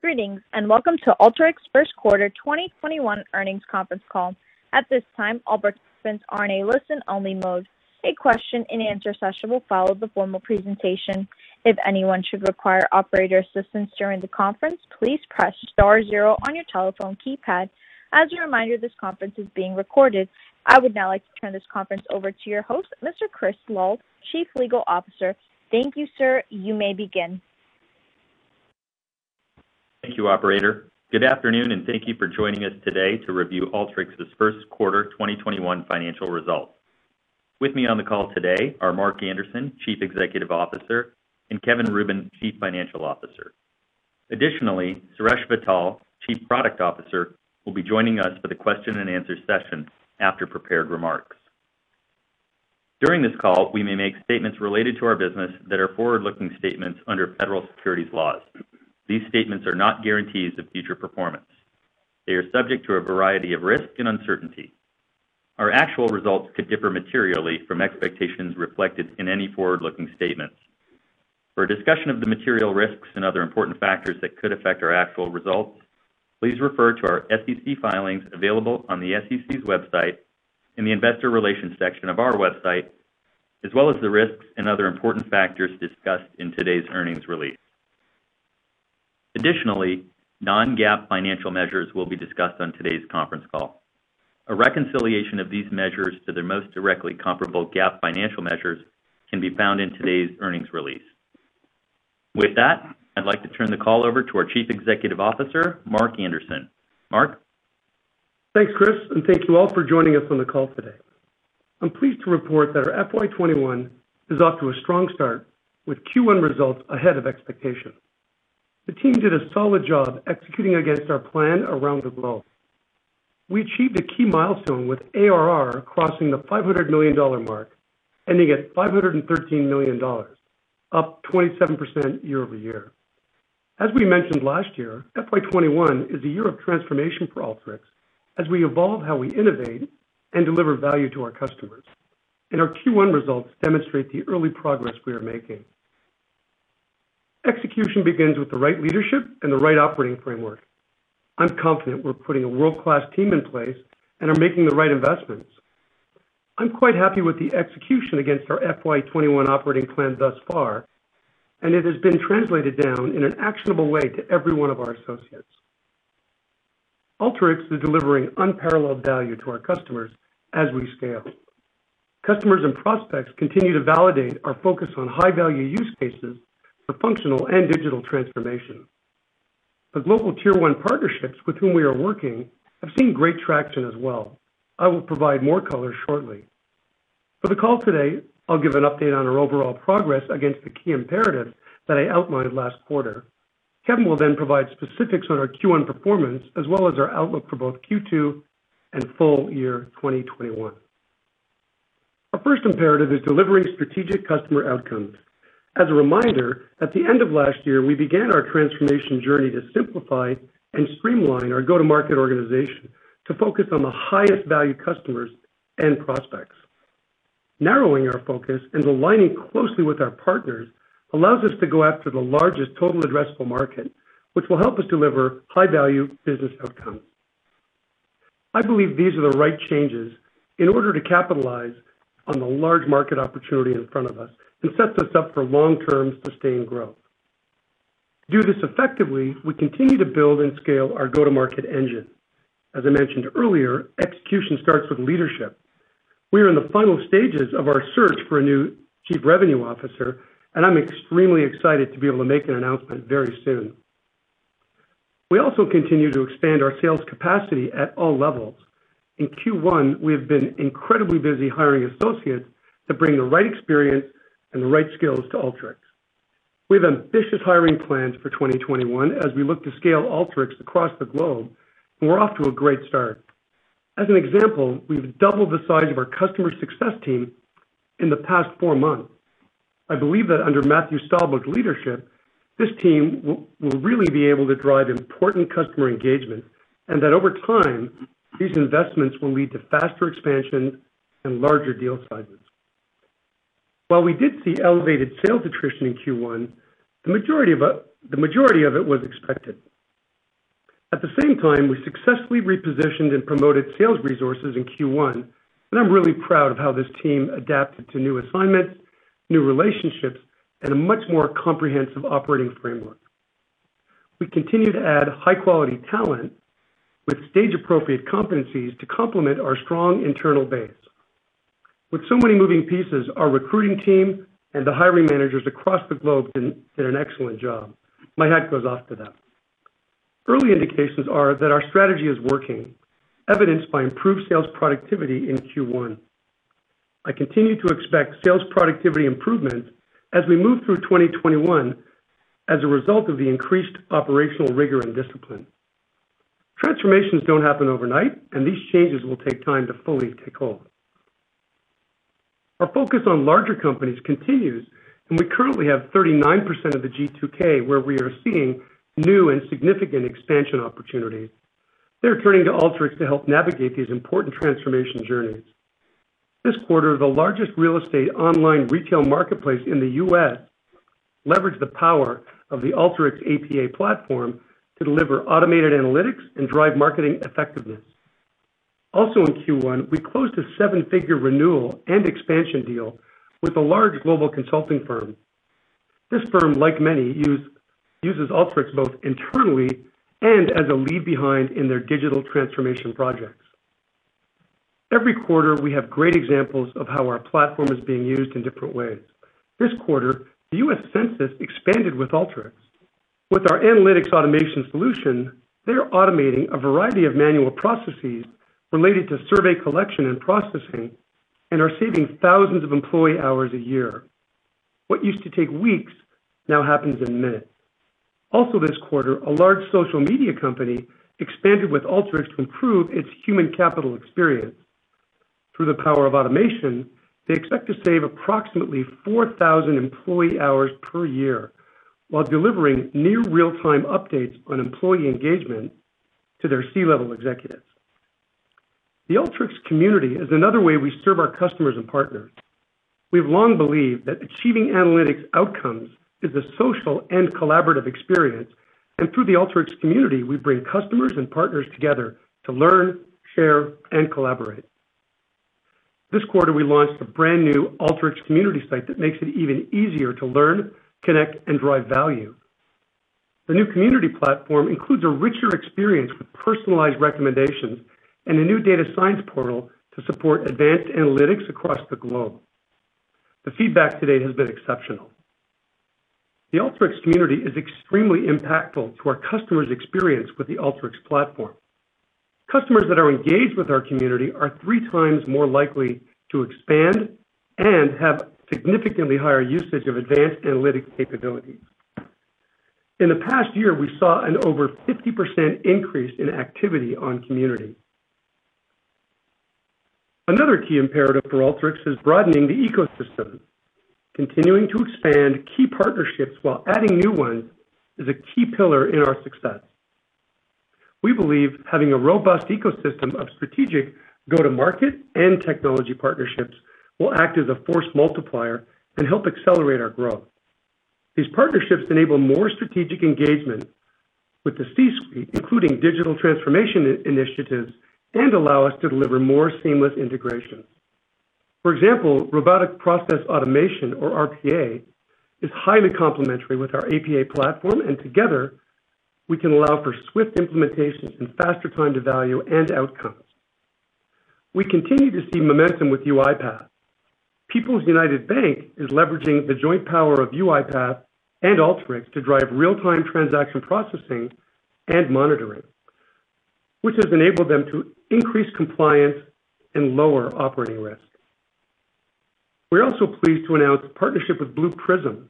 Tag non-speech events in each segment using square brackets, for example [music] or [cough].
Greetings, and welcome to Alteryx's first quarter 2021 earnings conference call. At this time, all participants are in a listen-only mode. A question-and-answer session will follow the formal presentation. As anyone should require operator assistance during the conference, please press star zero on your telephone keypad. As a reminder, this conference is being recorded. I would now like to turn this conference over to your host, Mr. Chris Lal, Chief Legal Officer. Thank you, sir. You may begin. Thank you, operator. Good afternoon and thank you for joining us today to review Alteryx's first quarter 2021 financial results. With me on the call today are Mark Anderson, Chief Executive Officer, and Kevin Rubin, Chief Financial Officer. Additionally, Suresh Vittal, Chief Product Officer, will be joining us for the question-and-answer session after prepared remarks. During this call, we may make statements related to our business that are forward-looking statements under federal securities laws. These statements are not guarantees of future performance. They are subject to a variety of risks and uncertainty. Our actual results could differ materially from expectations reflected in any forward-looking statements. For a discussion of the material risks and other important factors that could affect our actual results, please refer to our SEC filings available on the SEC's website, in the investor relations section of our website, as well as the risks and other important factors discussed in today's earnings release. Additionally, non-GAAP financial measures will be discussed on today's conference call. A reconciliation of these measures to their most directly comparable GAAP financial measures can be found in today's earnings release. With that, I'd like to turn the call over to our Chief Executive Officer, Mark Anderson. Mark? Thanks, Chris. Thank you all for joining us on the call today. I'm pleased to report that our FY 2021 is off to a strong start with Q1 results ahead of expectations. The team did a solid job executing against our plan around the globe. We achieved a key milestone with ARR crossing the $500 million mark, ending at $513 million, up 27% year-over-year. As we mentioned last year, FY 2021 is a year of transformation for Alteryx as we evolve how we innovate and deliver value to our customers. Our Q1 results demonstrate the early progress we are making. Execution begins with the right leadership and the right operating framework. I'm confident we're putting a world-class team in place and are making the right investments. I'm quite happy with the execution against our FY 2021 operating plan thus far, it has been translated down in an actionable way to every one of our associates. Alteryx is delivering unparalleled value to our customers as we scale. Customers and prospects continue to validate our focus on high-value use cases for functional and digital transformation. The global tier 1 partnerships with whom we are working have seen great traction as well. I will provide more color shortly. For the call today, I'll give an update on our overall progress against the key imperatives that I outlined last quarter. Kevin will provide specifics on our Q1 performance, as well as our outlook for both Q2 and full year 2021. Our first imperative is delivering strategic customer outcomes. As a reminder, at the end of last year, we began our transformation journey to simplify and streamline our go-to-market organization to focus on the highest value customers and prospects. Narrowing our focus and aligning closely with our partners allows us to go after the largest total addressable market, which will help us deliver high-value business outcomes. I believe these are the right changes in order to capitalize on the large market opportunity in front of us and sets us up for long-term sustained growth. To do this effectively, we continue to build and scale our go-to-market engine. As I mentioned earlier, execution starts with leadership. We are in the final stages of our search for a new Chief Revenue Officer, and I'm extremely excited to be able to make that announcement very soon. We also continue to expand our sales capacity at all levels. In Q1, we have been incredibly busy hiring associates to bring the right experience and the right skills to Alteryx. We have ambitious hiring plans for 2021 as we look to scale Alteryx across the globe, and we're off to a great start. As an example, we've doubled the size of our customer success team in the past four months. I believe that under Matthew Stauble's leadership, this team will really be able to drive important customer engagement, and that over time, these investments will lead to faster expansion and larger deal sizes. While we did see elevated sales attrition in Q1, the majority of it was expected. At the same time, we successfully repositioned and promoted sales resources in Q1, and I'm really proud of how this team adapted to new assignments, new relationships, and a much more comprehensive operating framework. We continue to add high-quality talent with stage-appropriate competencies to complement our strong internal base. With so many moving pieces, our recruiting team and the hiring managers across the globe did an excellent job. My hat goes off to them. Early indications are that our strategy is working, evidenced by improved sales productivity in Q1. I continue to expect sales productivity improvement as we move through 2021 as a result of the increased operational rigor and discipline. Transformations don't happen overnight, and these changes will take time to fully take hold. Our focus on larger companies continues, and we currently have 39% of the G2K where we are seeing new and significant expansion opportunities. They're turning to Alteryx to help navigate these important transformation journeys. This quarter, the largest real estate online retail marketplace in the U.S. leveraged the power of the Alteryx APA platform to deliver automated analytics and drive marketing effectiveness. Also, in Q1, we closed a seven-figure renewal and expansion deal with a large global consulting firm. This firm, like many, uses Alteryx both internally and as a leave behind in their digital transformation projects. Every quarter, we have great examples of how our platform is being used in different ways. This quarter, the U.S. Census expanded with Alteryx. With our analytics automation solution, they're automating a variety of manual processes related to survey collection and processing and are saving thousands of employee hours a year. What used to take weeks now happens in minutes. Also, this quarter, a large social media company expanded with Alteryx to improve its human capital experience. Through the power of automation, they expect to save approximately 4,000 employee hours per year while delivering near real-time updates on employee engagement to their C-level executives. The Alteryx community is another way we serve our customers and partners. We've long believed that achieving analytics outcomes is a social and collaborative experience. Through the Alteryx community, we bring customers and partners together to learn, share, and collaborate. This quarter, we launched a brand-new Alteryx community site that makes it even easier to learn, connect, and drive value. The new community platform includes a richer experience with personalized recommendations and a new data science portal to support advanced analytics across the globe. The feedback to date has been exceptional. The Alteryx community is extremely impactful to our customers' experience with the Alteryx platform. Customers that are engaged with our community are three times more likely to expand and have significantly higher usage of advanced analytic capabilities. In the past year, we saw an over 50% increase in activity on community. Another key imperative for Alteryx is broadening the ecosystem. Continuing to expand key partnerships while adding new ones is a key pillar in our success. We believe having a robust ecosystem of strategic go-to-market and technology partnerships will act as a force multiplier and help accelerate our growth. These partnerships enable more strategic engagement with the C-suite, including digital transformation initiatives, and allow us to deliver more seamless integration. For example, robotic process automation, or RPA, is highly complementary with our APA platform, and together we can allow for swift implementations and faster time to value and outcomes. We continue to see momentum with UiPath. People's United Bank is leveraging the joint power of UiPath and Alteryx to drive real-time transaction processing and monitoring, which has enabled them to increase compliance and lower operating risk. We're also pleased to announce a partnership with Blue Prism.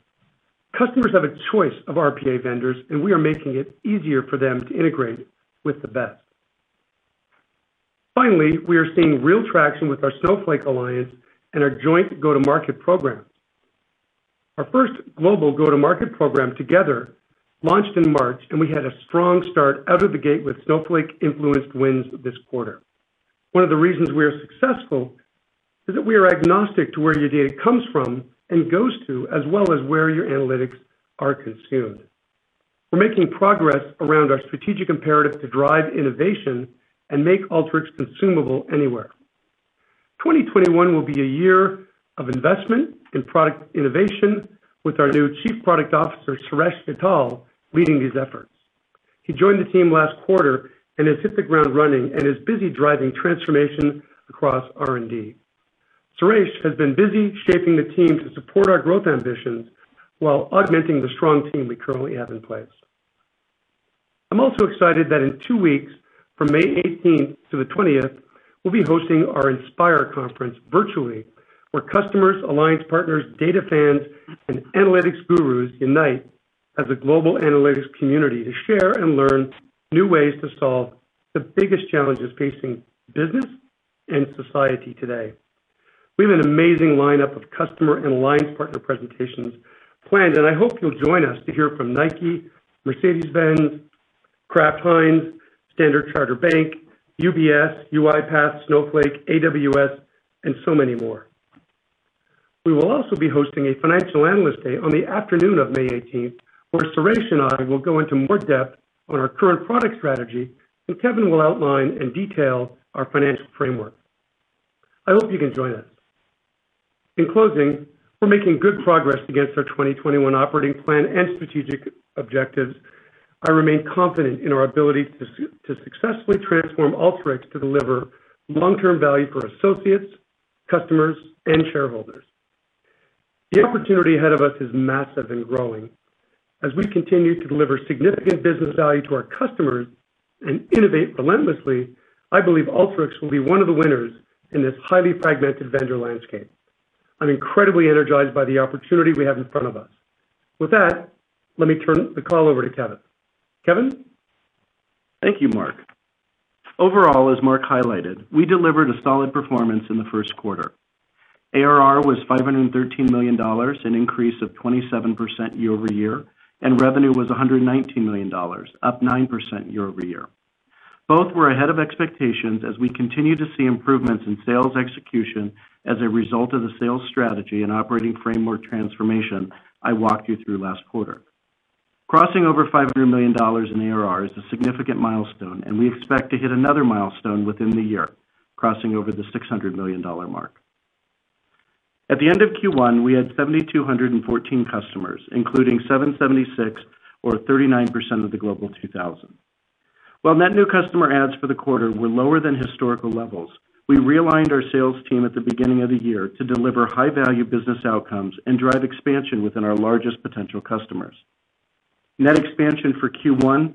Customers have a choice of RPA vendors, and we are making it easier for them to integrate with the best. Finally, we are seeing real traction with our Snowflake alliance and our joint go-to-market programs. Our first global go-to-market program together launched in March, and we had a strong start out of the gate with Snowflake-influenced wins this quarter. One of the reasons we are successful is that we are agnostic to where your data comes from and goes to, as well as where your analytics are consumed. We're making progress around our strategic imperative to drive innovation and make Alteryx consumable anywhere. 2021 will be a year of investment in product innovation with our new Chief Product Officer, Suresh Vittal, leading these efforts. He joined the team last quarter and has hit the ground running and is busy driving transformation across R&D. Suresh has been busy shaping the team to support our growth ambitions while augmenting the strong team we currently have in place. I'm also excited that in two weeks, from May 18th to the 20th, we'll be hosting our Inspire conference virtually, where customers, alliance partners, data fans, and analytics gurus unite as a global analytics community to share and learn new ways to solve the biggest challenges facing business and society today. We have an amazing lineup of customer and alliance partner presentations planned. I hope you'll join us to hear from Nike, Mercedes-Benz, Kraft Heinz, Standard Chartered Bank, UBS, UiPath, Snowflake, AWS, and so many more. We will also be hosting a financial analyst day on the afternoon of May 18th, where Suresh and I will go into more depth on our current product strategy, and Kevin will outline in detail our financial framework. I hope you can join us. In closing, we're making good progress against our 2021 operating plan and strategic objectives. I remain confident in our ability to successfully transform Alteryx to deliver long-term value for associates, customers, and shareholders. The opportunity ahead of us is massive and growing. As we continue to deliver significant business value to our customers and innovate relentlessly, I believe Alteryx will be one of the winners in this highly fragmented vendor landscape. I'm incredibly energized by the opportunity we have in front of us. With that, let me turn the call over to Kevin. Kevin? Thank you, Mark. Overall, as Mark highlighted, we delivered a solid performance in the first quarter. ARR was $513 million, an increase of 27% year-over-year, and revenue was $119 million, up 9% year-over-year. Both were ahead of expectations as we continue to see improvements in sales execution as a result of the sales strategy and operating framework transformation I walked you through last quarter. Crossing over $500 million in ARR is a significant milestone, and we expect to hit another milestone within the year, crossing over the $600 million mark. At the end of Q1, we had 7,214 customers, including 776 or 39% of the Global 2000. While net new customer adds for the quarter were lower than historical levels, we realigned our sales team at the beginning of the year to deliver high-value business outcomes and drive expansion within our largest potential customers. Net expansion for Q1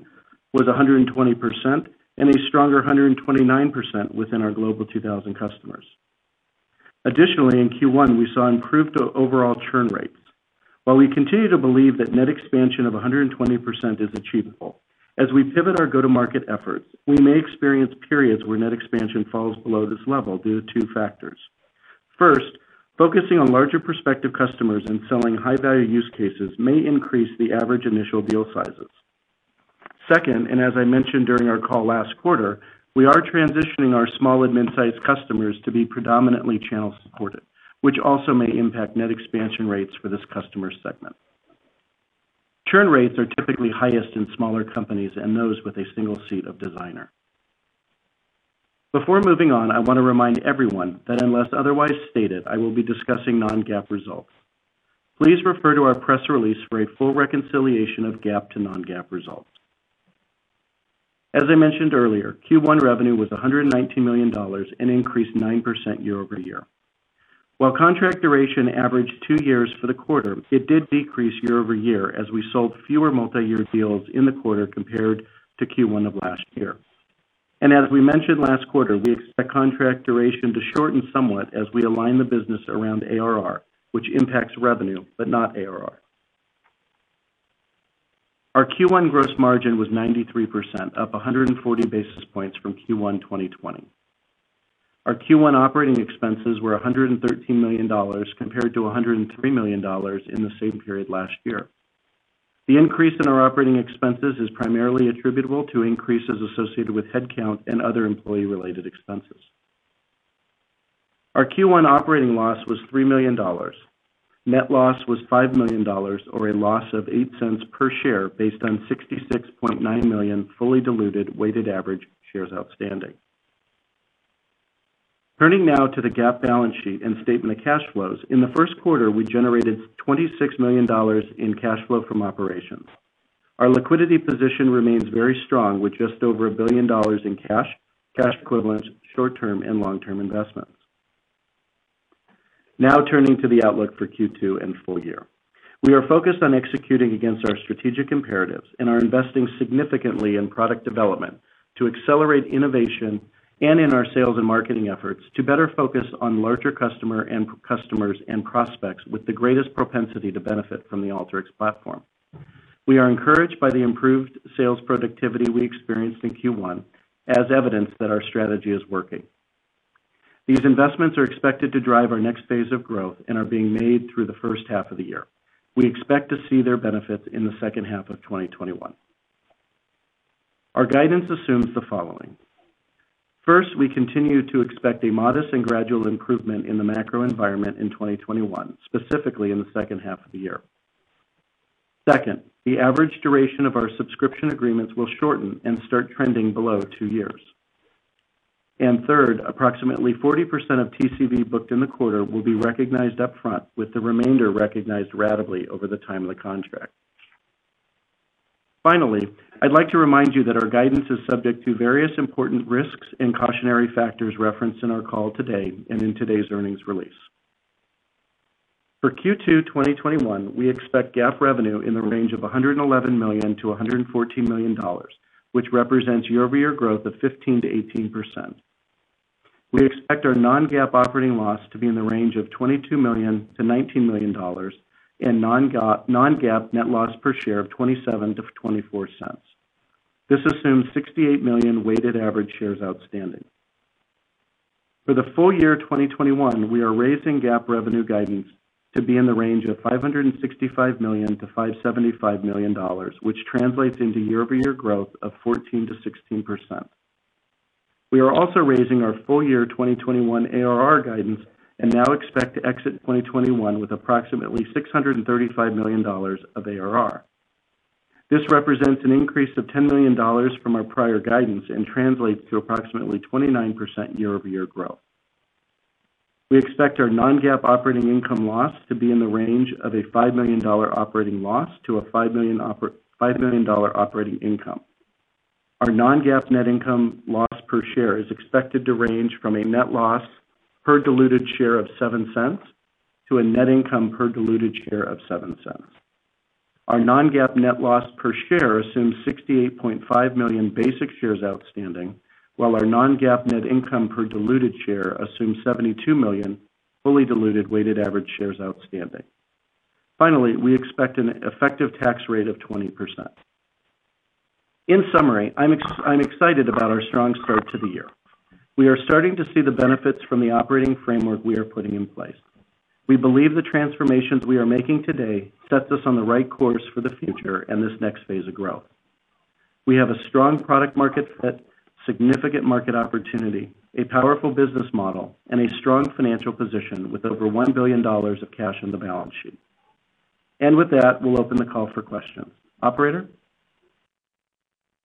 was 120%, and a stronger 129% within our Global 2000 customers. Additionally, in Q1, we saw improved overall churn rates. While we continue to believe that net expansion of 120% is achievable, as we pivot our go-to-market efforts, we may experience periods where net expansion falls below this level due to two factors. First, focusing on larger prospective customers and selling high-value use cases may increase the average initial deal sizes. Second, as I mentioned during our call last quarter, we are transitioning our small and midsize customers to be predominantly channel supported, which also may impact net expansion rates for this customer segment. Churn rates are typically highest in smaller companies and those with a single seat of Designer. Before moving on, I want to remind everyone that unless otherwise stated, I will be discussing non-GAAP results. Please refer to our press release for a full reconciliation of GAAP to non-GAAP results. As I mentioned earlier, Q1 revenue was $119 million and increased 9% year-over-year. While contract duration averaged two years for the quarter, it did decrease year-over-year as we sold fewer multi-year deals in the quarter compared to Q1 of last year. As we mentioned last quarter, we expect contract duration to shorten somewhat as we align the business around ARR, which impacts revenue, but not ARR. Our Q1 gross margin was 93%, up 140 basis points from Q1 2020. Our Q1 operating expenses were $113 million compared to $103 million in the same period last year. The increase in our operating expenses is primarily attributable to increases associated with headcount and other employee-related expenses. Our Q1 operating loss was $3 million. Net loss was $5 million, or a loss of $0.08 per share based on 66.9 million fully diluted weighted average shares outstanding. Turning now to the GAAP balance sheet and statement of cash flows. In the first quarter, we generated $26 million in cash flow from operations. Our liquidity position remains very strong with just over $1 billion in cash equivalents, short-term and long-term investments. Now turning to the outlook for Q2 and full year. We are focused on executing against our strategic imperatives and are investing significantly in product development to accelerate innovation and in our sales and marketing efforts to better focus on larger customers and prospects with the greatest propensity to benefit from the Alteryx platform. We are encouraged by the improved sales productivity we experienced in Q1 as evidence that our strategy is working. These investments are expected to drive our next phase of growth and are being made through the first half of the year. We expect to see their benefits in the second half of 2021. Our guidance assumes the following. First, we continue to expect a modest and gradual improvement in the macro environment in 2021, specifically in the second half of the year. Second, the average duration of our subscription agreements will shorten and start trending below two years. Third, approximately 40% of TCV booked in the quarter will be recognized upfront, with the remainder recognized ratably over the time of the contract. Finally, I'd like to remind you that our guidance is subject to various important risks and cautionary factors referenced in our call today and in today's earnings release. For Q2 2021, we expect GAAP revenue in the range of $111 million-$114 million, which represents year-over-year growth of 15%-18%. We expect our non-GAAP operating loss to be in the range of $22 million-$19 million, and non-GAAP net loss per share of $0.27-$0.24. This assumes 68 million weighted average shares outstanding. For the full year 2021, we are raising GAAP revenue guidance to be in the range of $565 million-$575 million, which translates into year-over-year growth of 14%-16%. We are also raising our full year 2021 ARR guidance and now expect to exit 2021 with approximately $635 million of ARR. This represents an increase of $10 million from our prior guidance and translates to approximately 29% year-over-year growth. We expect our non-GAAP operating income loss to be in the range of a $5 million operating loss to a $5 million operating income. Our non-GAAP net income loss per share is expected to range from a net loss per diluted share of $0.07 to a net income per diluted share of $0.07. Our non-GAAP net loss per share assumes 68.5 million basic shares outstanding, while our non-GAAP net income per diluted share assumes 72 million fully diluted weighted average shares outstanding. Finally, we expect an effective tax rate of 20%. In summary, I'm excited about our strong start to the year. We are starting to see the benefits from the operating framework we are putting in place. We believe the transformations we are making today sets us on the right course for the future and this next phase of growth. We have a strong product market fit, significant market opportunity, a powerful business model, and a strong financial position with over $1 billion of cash on the balance sheet. With that, we'll open the call for questions. Operator?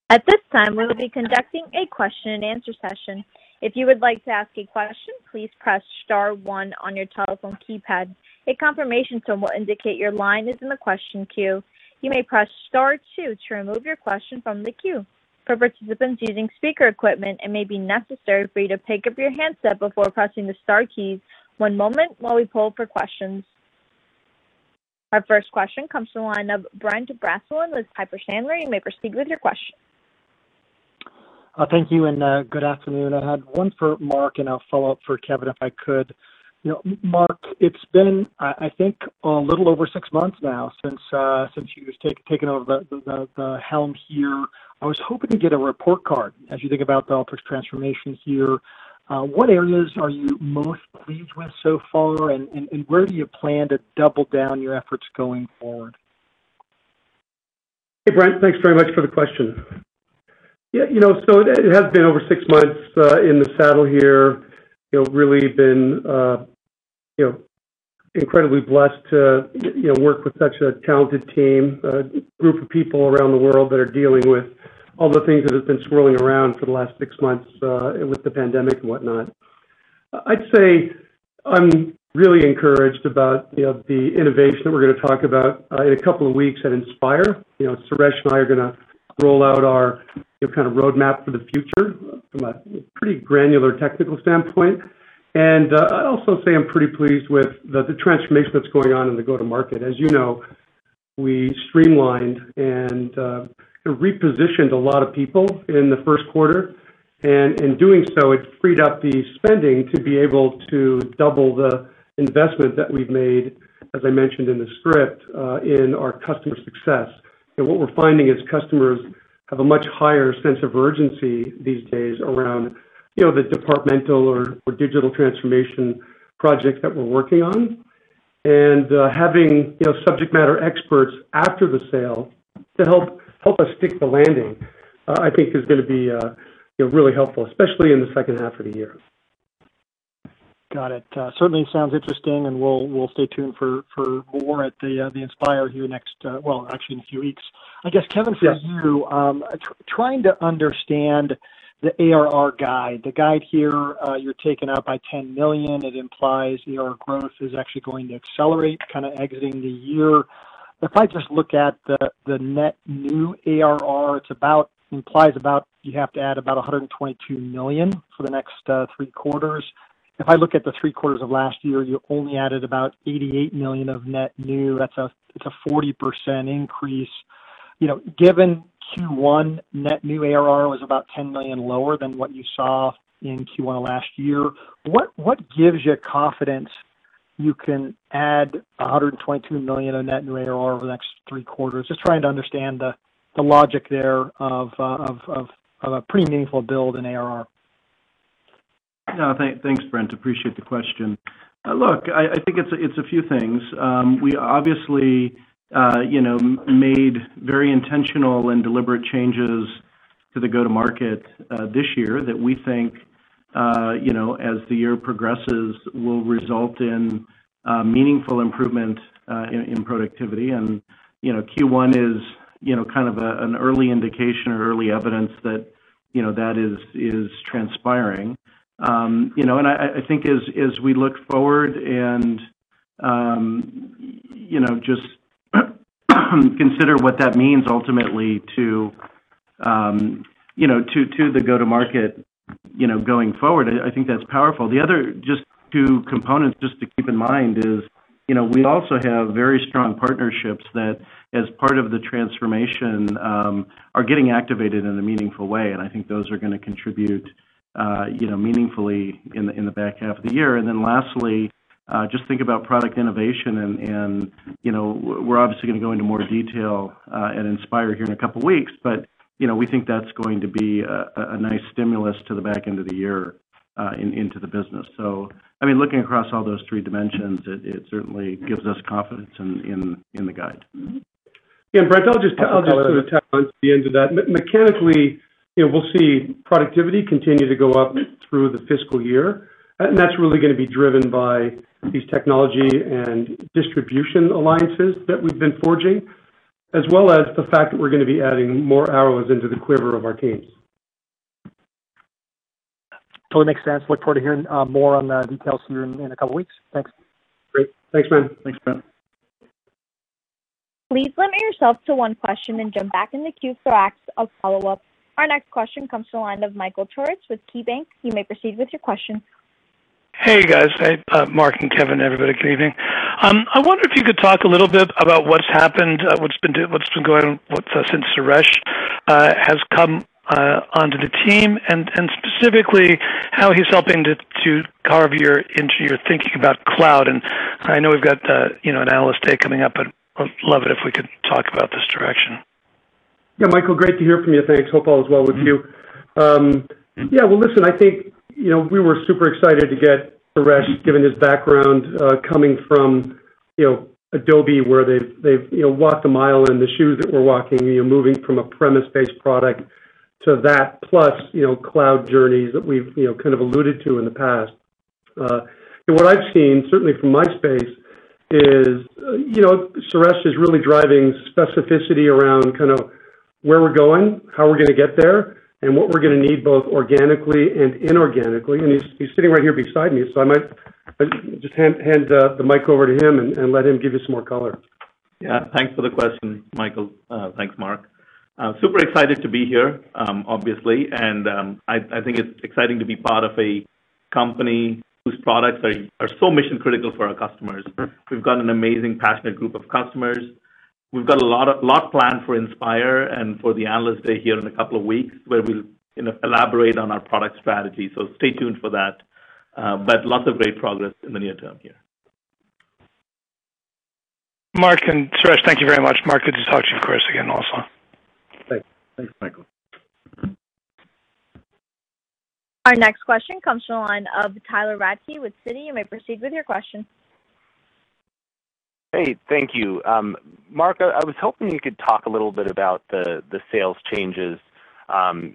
At this time, we'll be conducting a question-and-answer session. If you would like to ask a question, please press star one on your telephone keypad. A confirmation tone will indicate your line is on the question queue. You may press star two to remove your question from the queue. For participants using speaker equipment and maybe necessary to pick up your handset before pressing the star keys. One moment while we poll for question. Our first question comes from the line of Brent Bracelin with Piper Sandler. You may proceed with your question. Thank you, and good afternoon. I had one for Mark, and I'll follow up for Kevin if I could. Mark, it's been, I think, a little over six months now since you've taken over the helm here. I was hoping to get a report card as you think about the Alteryx transformation here. What areas are you most pleased with so far, and where do you plan to double down your efforts going forward? Hey, Brent. Thanks very much for the question. It has been over six months in the saddle here. I've really been incredibly blessed to work with such a talented team, a group of people around the world that are dealing with all the things that have been swirling around for the last six months with the pandemic and whatnot. I'd say I'm really encouraged about the innovation that we're going to talk about in a couple of weeks at Inspire. Suresh and I are going to roll out our kind of roadmap for the future from a pretty granular technical standpoint. I'd also say I'm pretty pleased with the transformation that's going on in the go-to-market. As you know, we streamlined and repositioned a lot of people in the first quarter. In doing so, it freed up the spending to be able to double the investment that we've made, as I mentioned in the script, in our customer success. What we're finding is customers have a much higher sense of urgency these days around the departmental or digital transformation projects that we're working on. Having subject matter experts after the sale to help us stick the landing, I think is going to be really helpful, especially in the second half of the year. Got it. Certainly, sounds interesting, and we'll stay tuned for more at the Inspire here next, well, actually in a few weeks. I guess, Kevin. [crosstalk] Yes. [crosstalk] for you, trying to understand the ARR guide. The guide here, you're taken up by $10 million. It implies ARR growth is actually going to accelerate exiting the year. If I just look at the net new ARR, it implies about you have to add about $122 million for the next three quarters. If I look at the three quarters of last year, you only added about $88 million of net new. It's a 40% increase. Given Q1, net new ARR was about $10 million lower than what you saw in Q1 last year. What gives you confidence you can add $122 million of net new ARR over the next three quarters? Just trying to understand the logic there of a pretty meaningful build in ARR. Thanks, Brent. Appreciate the question. Look, I think it's a few things. We obviously made very intentional and deliberate changes to the go-to-market this year that we think, as the year progresses, will result in meaningful improvement in productivity. Q1 is kind of an early indication or early evidence that is transpiring. I think as we look forward and just consider what that means ultimately to the go-to-market going forward, I think that's powerful. The other two components just to keep in mind is we also have very strong partnerships that, as part of the transformation, are getting activated in a meaningful way. I think those are going to contribute meaningfully in the back half of the year. Lastly, just think about product innovation, and we're obviously going to go into more detail at Inspire here in a couple of weeks, but we think that's going to be a nice stimulus to the back end of the year into the business. Looking across all those three dimensions, it certainly gives us confidence in the guide. Yeah, Brent, I'll just sort of tap onto the end of that. Mechanically, we'll see productivity continue to go up through the fiscal year, and that's really going to be driven by these technology and distribution alliances that we've been forging, as well as the fact that we're going to be adding more arrows into the quiver of our teams. Totally makes sense. Look forward to hearing more on the details here in a couple of weeks. Thanks. Great. Thanks, Brent. Thanks, Brent. Please limit yourself to one question and jump back in the queue for asks of follow-ups. Our next question comes from the line of Michael Turits with KeyBanc Capital Markets. You may proceed with your question. Hey, guys. Hey, Mark and Kevin, everybody, good evening. I wonder if you could talk a little bit about what's happened, what's been going on since Suresh has come onto the team, and specifically how he's helping to carve into your thinking about cloud. I know we've got an analyst day coming up, but I'd love it if we could talk about this direction. Yeah, Michael, great to hear from you. Thanks. Hope all is well with you. Well, listen, I think we were super excited to get Suresh, given his background, coming from Adobe, where they've walked a mile in the shoes that we're walking, moving from a premise-based product to that plus cloud journeys that we've kind of alluded to in the past. What I've seen, certainly from my space, is Suresh is really driving specificity around where we're going, how we're going to get there, and what we're going to need both organically and inorganically. He's sitting right here beside me, so I might just hand the mic over to him and let him give you some more color. Yeah. Thanks for the question, Michael. Thanks, Mark. Super excited to be here, obviously. I think it's exciting to be part of a company whose products are so mission-critical for our customers. We've got an amazing, passionate group of customers. We've got a lot planned for Inspire and for the Analyst Day here in a couple of weeks, where we'll elaborate on our product strategy. Stay tuned for that. Lots of great progress in the near term here. Mark and Suresh, thank you very much. Mark, good to talk to you, of course, again also. Thanks, Michael. Our next question comes from the line of Tyler Radke with Citi. You may proceed with your question. Hey, thank you. Mark, I was hoping you could talk a little bit about the sales changes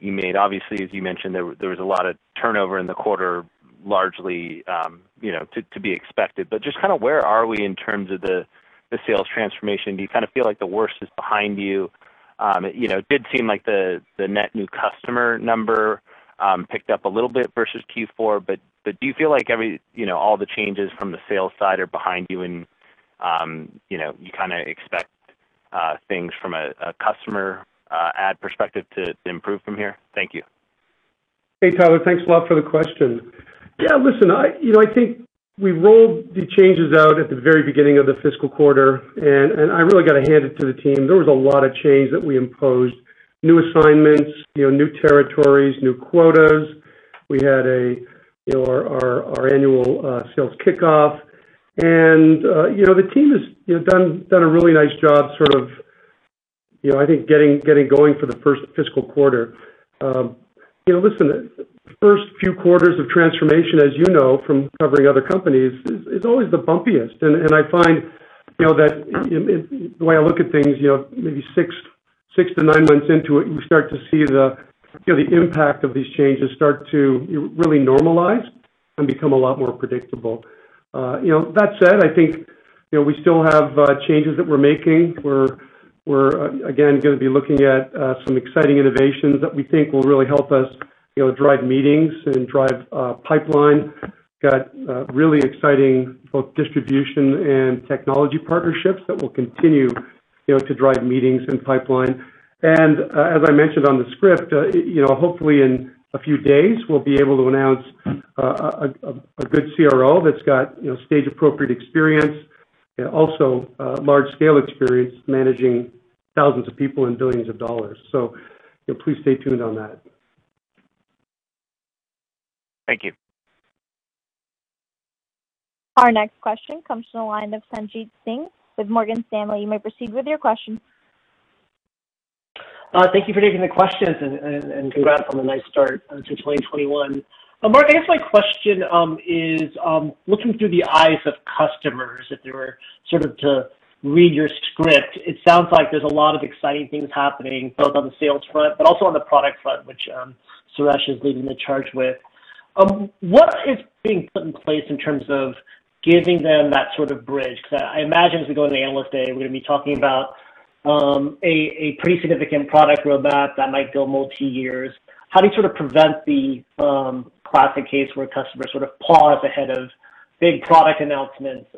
you made. Obviously, as you mentioned, there was a lot of turnover in the quarter, largely to be expected. Just where are we in terms of the sales transformation? Do you feel like the worst is behind you? It did seem like the net new customer number picked up a little bit versus Q4, but do you feel like all the changes from the sales side are behind you and you expect things from a customer add perspective to improve from here? Thank you. Hey, Tyler. Thanks a lot for the question. Yeah, listen, I think we rolled the changes out at the very beginning of the fiscal quarter, and I really got to hand it to the team. There was a lot of change that we imposed. New assignments, new territories, new quotas. We had our annual sales kickoff. The team has done a really nice job sort of, I think, getting going for the first fiscal quarter. Listen, the first few quarters of transformation, as you know from covering other companies, is always the bumpiest. I find that the way I look at things, maybe six to nine months into it, you start to see the impact of these changes start to really normalize and become a lot more predictable. That said, I think we still have changes that we're making. We're, again, going to be looking at some exciting innovations that we think will really help us drive meetings and drive pipeline. We've got really exciting, both distribution and technology partnerships that will continue to drive meetings and pipeline. As I mentioned on the script, hopefully in a few days we'll be able to announce a good CRO that's got stage-appropriate experience and also large-scale experience managing thousands of people and billions of dollars. Please stay tuned on that. Thank you. Our next question comes from the line of Sanjit Singh with Morgan Stanley. You may proceed with your question. Thank you for taking the questions and congrats on the nice start to 2021. Mark, I guess my question is, looking through the eyes of customers, if they were sort of to read your script, it sounds like there's a lot of exciting things happening both on the sales front, but also on the product front, which Suresh is leading the charge with. What is being put in place in terms of giving them that sort of bridge? I imagine as we go into the Analyst Day, we're going to be talking about a pretty significant product roadmap that might go multi-years. How do you sort of prevent the classic case where customers sort of pause ahead of big product announcements,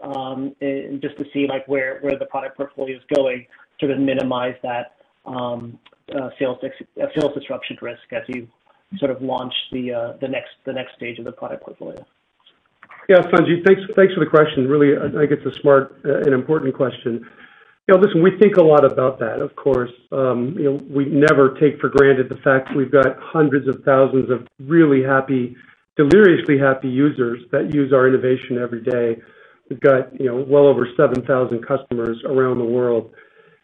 just to see where the product portfolio is going, sort of minimize that sales disruption risk as you launch the next stage of the product portfolio? Yeah. Sanjit, thanks for the question. Really, I think it's a smart and important question. Listen, we think a lot about that, of course. We never take for granted the fact we've got hundreds of thousands of really happy, deliriously happy users that use our innovation every day. We've got well over 7,000 customers around the world.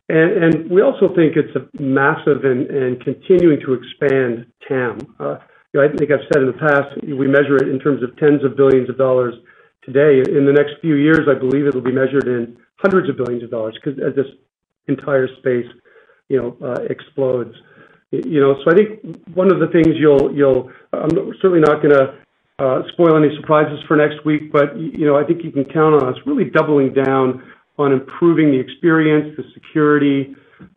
We also think it's a massive and continuing to expand TAM. I think I've said in the past, we measure it in terms of tens of billions of dollars today. In the next few years, I believe it'll be measured in hundreds of billions of dollars because as this entire space explodes. I think one of the things I'm certainly not going to spoil any surprises for next week, but I think you can count on us really doubling down on improving the experience, the security,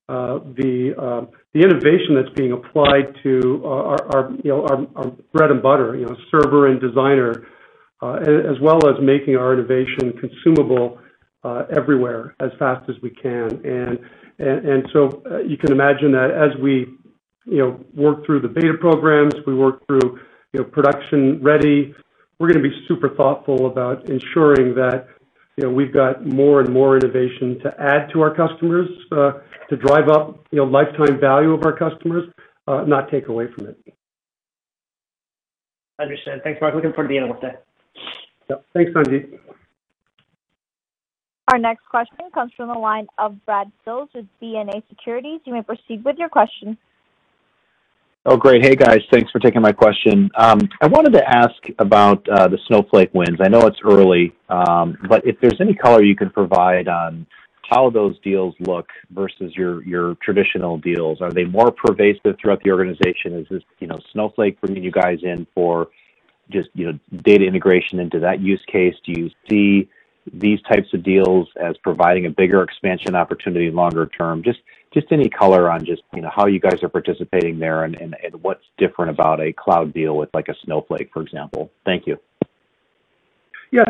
the innovation that's being applied to our bread and butter, Server and Designer, as well as making our innovation consumable everywhere as fast as we can. You can imagine that as we work through the beta programs, we work through production-ready, we're going to be super thoughtful about ensuring that we've got more and more innovation to add to our customers, to drive up lifetime value of our customers, not take away from it. Understood. Thanks, Mark. Looking forward to the Analyst Day. Yeah. Thanks, Sanjit. Our next question comes from the line of Brad Sills with Bank of America Securities. You may proceed with your question. Oh, great. Hey, guys. Thanks for taking my question. I wanted to ask about the Snowflake wins. I know it's early, but if there's any color you can provide on how those deals look versus your traditional deals. Are they more pervasive throughout the organization? Is this Snowflake bringing you guys in for just data integration into that use case? Do you see these types of deals as providing a bigger expansion opportunity longer term? Just any color on just how you guys are participating there and what's different about a cloud deal with like a Snowflake, for example. Thank you.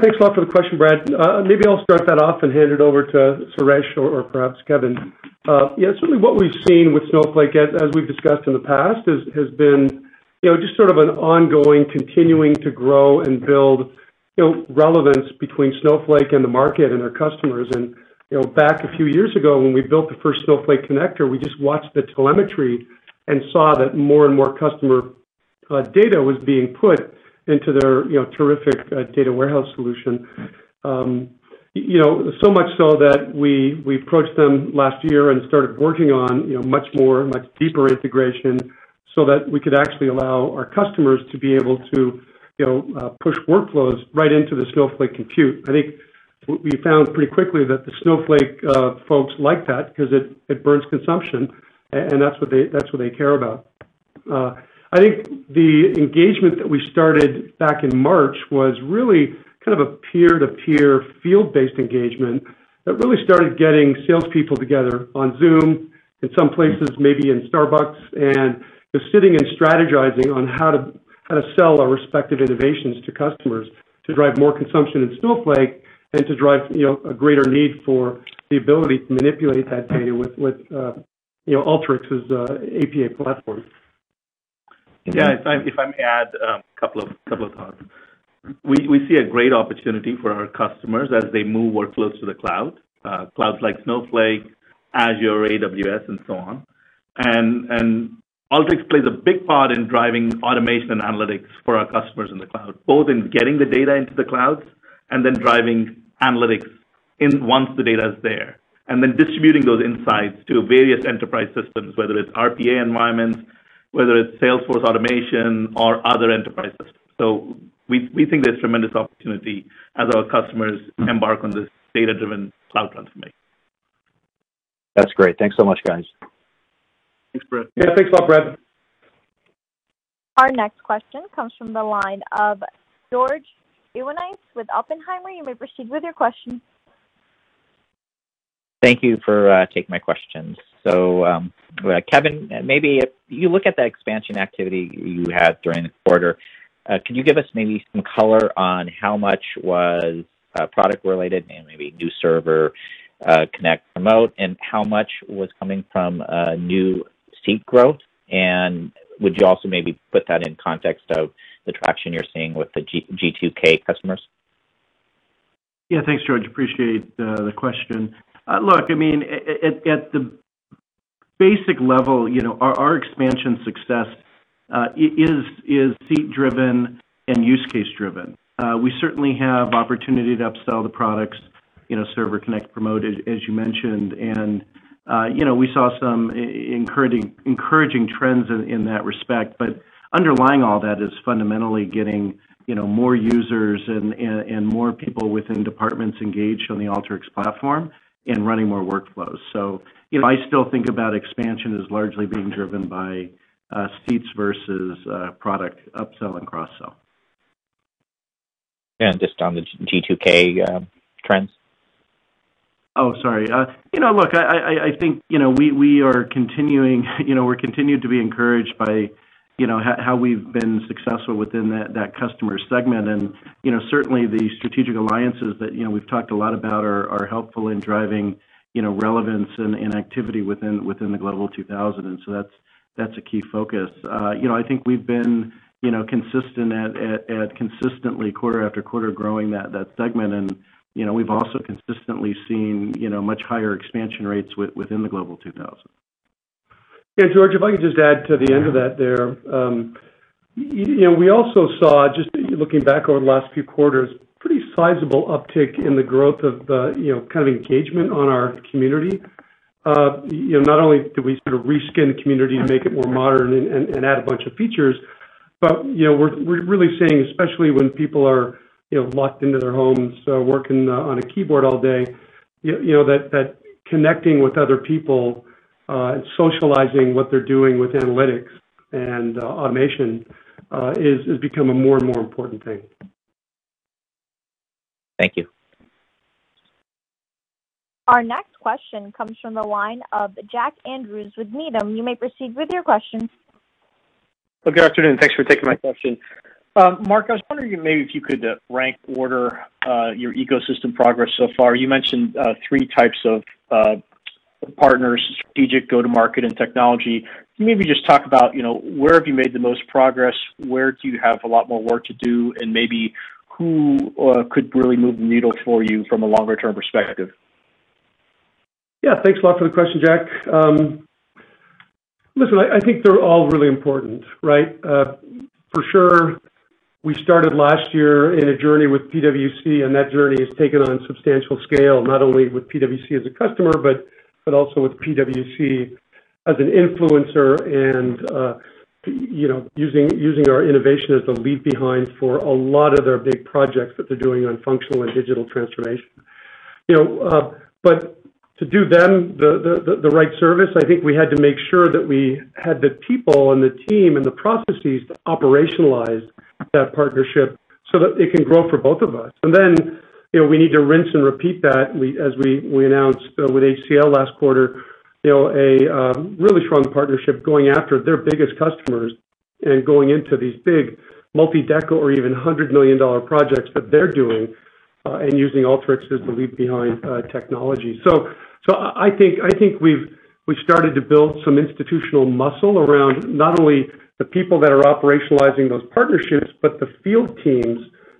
Thanks a lot for the question, Brad. Maybe I'll start that off and hand it over to Suresh or perhaps Kevin. Certainly, what we've seen with Snowflake, as we've discussed in the past, has been just sort of an ongoing, continuing to grow and build relevance between Snowflake and the market and our customers. Back a few years ago, when we built the first Snowflake connector, we just watched the telemetry and saw that more and more customer data was being put into their terrific data warehouse solution. Much so that we approached them last year and started working on much more, much deeper integration so that we could actually allow our customers to be able to push workflows right into the Snowflake compute. I think we found pretty quickly that the Snowflake folks like that because it burns consumption, and that's what they care about. I think the engagement that we started back in March was really kind of a peer-to-peer, field-based engagement that really started getting salespeople together on Zoom, in some places, maybe in Starbucks, and just sitting and strategizing on how to sell our respective innovations to customers to drive more consumption in Snowflake and to drive a greater need for the ability to manipulate that data with Alteryx's APA platform. Yeah, if I may add a couple of thoughts. We see a great opportunity for our customers as they move workflows to the cloud, clouds like Snowflake, Azure, AWS, and so on. Alteryx plays a big part in driving automation and analytics for our customers in the cloud, both in getting the data into the cloud and then driving analytics once the data is there. Distributing those insights to various enterprise systems, whether it's RPA environments, whether it's sales force automation or other enterprise systems. We think there's tremendous opportunity as our customers embark on this data-driven cloud transformation. That's great. Thanks so much, guys. Thanks, Brad. Yeah, thanks a lot, Brad. Our next question comes from the line of George Iwanyc with Oppenheimer. You may proceed with your question. Thank you for taking my questions. Kevin, maybe if you look at the expansion activity you had during the quarter, can you give us maybe some color on how much was product related and maybe new Server, Connect, Promote, and how much was coming from new seat growth? Would you also maybe put that in context of the traction you're seeing with the G2K customers? Yeah. Thanks, George. Appreciate the question. Look, at the basic level, our expansion success is seat-driven and use case-driven. We certainly have opportunity to upsell the products, Server, Connect, Promote, as you mentioned. We saw some encouraging trends in that respect. Underlying all that is fundamentally getting more users and more people within departments engaged on the Alteryx platform and running more workflows. I still think about expansion as largely being driven by seats versus product upsell and cross-sell. Just on the G2K trends? Oh, sorry. Look, I think we're continued to be encouraged by how we've been successful within that customer segment. Certainly, the strategic alliances that we've talked a lot about are helpful in driving relevance and activity within the Global 2000. That's a key focus. I think we've been consistent at consistently quarter after quarter growing that segment, and we've also consistently seen much higher expansion rates within the Global 2000. Yeah, George, if I could just add to the end of that there. We also saw, just looking back over the last few quarters, pretty sizable uptick in the growth of the kind of engagement on our community. Not only did we sort of reskin the community to make it more modern and add a bunch of features, but we're really seeing, especially when people are locked into their homes working on a keyboard all day, that connecting with other people and socializing what they're doing with analytics and automation has become a more and more important thing. Thank you. Our next question comes from the line of Jack Andrews with Needham. You may proceed with your question. Good afternoon. Thanks for taking my question. Mark, I was wondering maybe if you could rank order your ecosystem progress so far. You mentioned three types of partners, strategic, go-to-market, and technology. Can you maybe just talk about where have you made the most progress, where do you have a lot more work to do, and maybe who could really move the needle for you from a longer-term perspective? Yeah, thanks a lot for the question, Jack. Listen, I think they're all really important, right? For sure, we started last year in a journey with PwC. That journey has taken on substantial scale, not only with PwC as a customer but also with PwC as an influencer and using our innovation as the leave behind for a lot of their big projects that they're doing on functional and digital transformation. To do them the right service, I think we had to make sure that we had the people and the team and the processes to operationalize that partnership so that it can grow for both of us. We need to rinse and repeat that, as we announced with HCL last quarter, a really strong partnership going after their biggest customers and going into these big multi-decade or even $100 million projects that they're doing and using Alteryx as the leave behind technology. I think we've started to build some institutional muscle around not only the people that are operationalizing those partnerships, but the field teams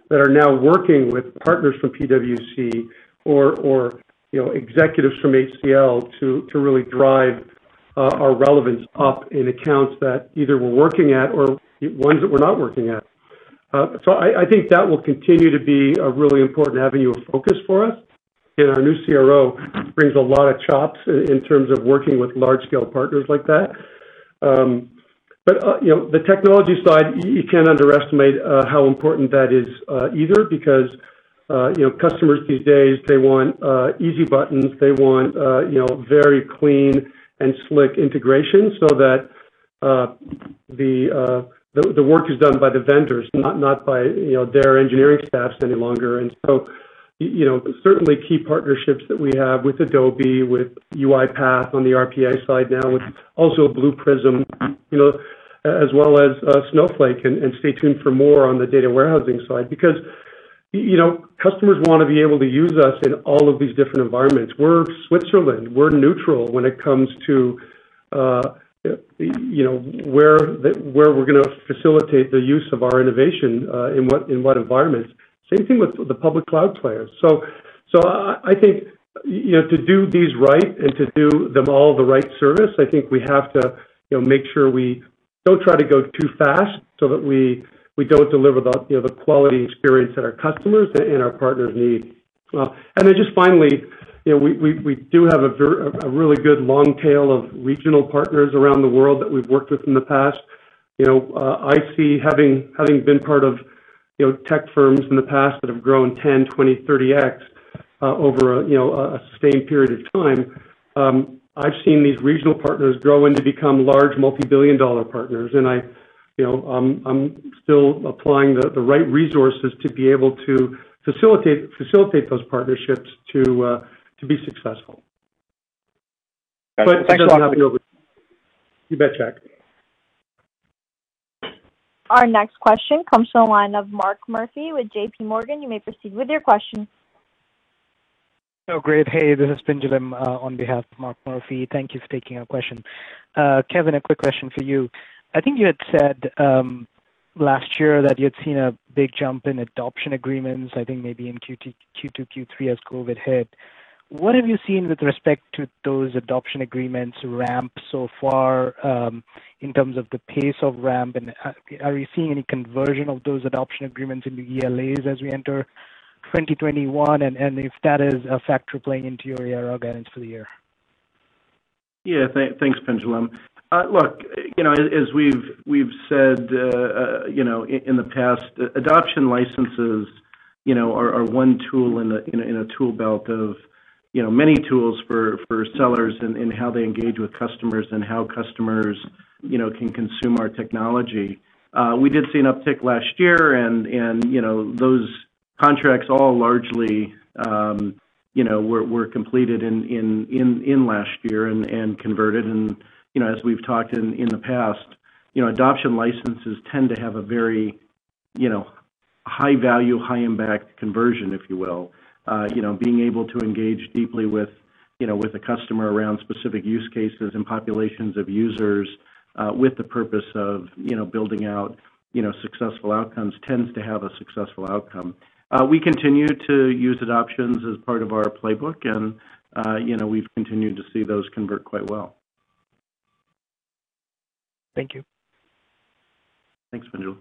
that are now working with partners from PwC or executives from HCL to really drive our relevance up in accounts that either we're working at or ones that we're not working at. I think that will continue to be a really important avenue of focus for us, and our new CRO brings a lot of chops in terms of working with large-scale partners like that. The technology side, you can't underestimate how important that is either, because customers these days, they want easy buttons. They want very clean and slick integration so that the work is done by the vendors, not by their engineering staffs any longer. Certainly, key partnerships that we have with Adobe, with UiPath on the RPA side now, with also Blue Prism, as well as Snowflake, and stay tuned for more on the data warehousing side, because customers want to be able to use us in all of these different environments. We're Switzerland. We're neutral when it comes to where we're going to facilitate the use of our innovation, in what environments. Same thing with the public cloud players. I think to do these right and to do them all the right service, I think we have to make sure we don't try to go too fast so that we don't deliver the quality experience that our customers and our partners need. We do have a really good long tail of regional partners around the world that we've worked with in the past. I see having been part of tech firms in the past that have grown 10 times, 20 times, 30 times over a sustained period of time. I've seen these regional partners grow into become large multi-billion-dollar partners, and I'm still applying the right resources to be able to facilitate those partnerships to be successful. Thanks a lot. You bet, Jack. Our next question comes from the line of Mark Murphy with JPMorgan. You may proceed with your question. Great. Hey, this is Pinjalim on behalf of Mark Murphy. Thank you for taking our question. Kevin, a quick question for you. I think you had said last year that you had seen a big jump in adoption agreements, I think maybe in Q2, Q3 as COVID hit. What have you seen with respect to those adoption agreements ramp so far in terms of the pace of ramp, and are you seeing any conversion of those adoption agreements into ELAs as we enter 2021? If that is a factor playing into your ARR guidance for the year. Yeah, thanks, Pinjalim. Look, as we've said in the past, adoption licenses are one tool in a tool belt of many tools for sellers in how they engage with customers and how customers can consume our technology. We did see an uptick last year, and those contracts all largely were completed in last year and converted. As we've talked in the past, adoption licenses tend to have a very high value, high impact conversion, if you will. Being able to engage deeply with a customer around specific use cases and populations of users with the purpose of building out successful outcomes tends to have a successful outcome. We continue to use adoptions as part of our playbook, and we've continued to see those convert quite well. Thank you. Thanks, Pinjalim.